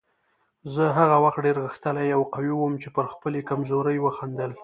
زه هغه وخت ډېر غښتلی او قوي وم چې پر خپلې کمزورۍ وخندل.